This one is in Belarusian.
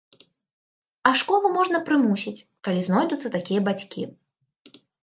А школу можна прымусіць, калі знойдуцца такія бацькі.